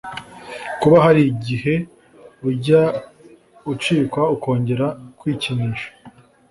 Kuba hari igihe ujya ucikwa ukongera kwikinisha